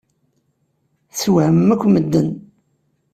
Teswehmem akk medden.